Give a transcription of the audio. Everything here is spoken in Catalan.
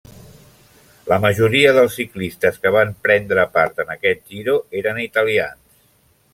La majoria dels ciclistes que van prendre part en aquest Giro eren italians.